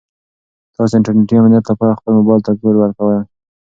تاسو د انټرنیټي امنیت لپاره خپل موبایل ته کوډ ورکړئ.